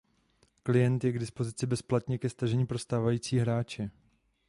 Klient je k dispozice bezplatně ke stažení pro stávající hráče.